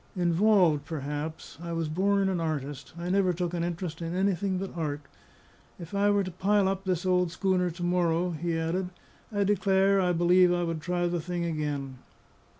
Involved, perhaps. I was born an artist; I never took an interest in anything but art. If I were to pile up this old schooner to morrow," he added, "I declare I believe I would try the thing again!"